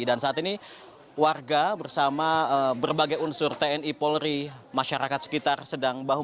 dan saat ini warga bersama berbagai unsur tni polri masyarakat sekitar sedang bahum